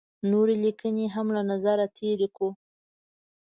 نورې لیکنې یې هم له نظره تېرې کړو.